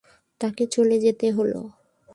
তাকে চলে যেতে হল।